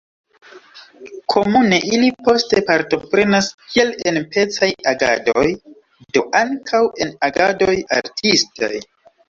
Komune ili poste partoprenas kiel en pacaj agadoj, do ankaŭ en agadoj artistaj.